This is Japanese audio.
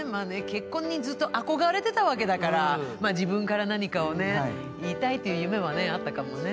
結婚にずっと憧れてたわけだからまあ自分から何かをね言いたいって夢はねあったかもね。